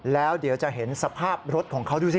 แล้วเดี๋ยวจะเห็นสภาพรถของเขาดูสิ